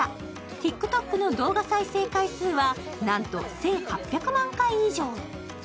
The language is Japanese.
ＴｉｋＴｏｋの動画再生回数はなんと１８００万回以上。